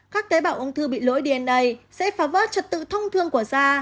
các tế bảo ung thư bị lỗi dna sẽ phá vớt trật tự thông thương của da